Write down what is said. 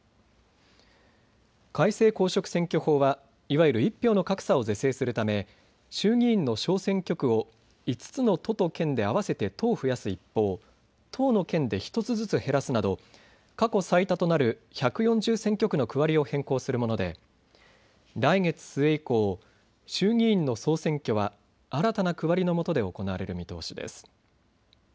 改正公職選挙法はいわゆる１票の格差を是正するため衆議院の小選挙区を５つの都と県で合わせて１０増やす一方、１０の県で１つずつ減らすなど過去最多となる１４０選挙区の区割りを変更するもので来月末以降、衆議院の総選挙は新たな区割りのもとで行われる見通しです。